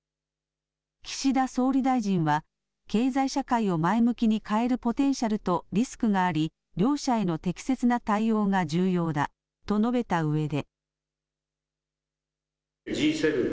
岸田総理大臣は経済社会を前向きに変えるポテンシャルとリスクがあり両者への適切な対応が重要だと述べたうえで。